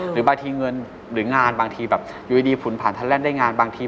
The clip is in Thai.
หรือบางทีเงินหรืองานบางทีแบบอยู่ดีฝุ่นผ่านทันแลนด์ได้งานบางที